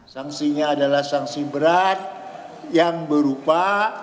sanksinya adalah sanksi berat yang berupa